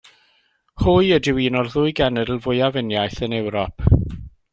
Hwy ydyw un o'r ddwy genedl fwyaf uniaith yn Ewrop.